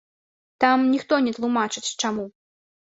Там ніхто не тлумачыць, чаму.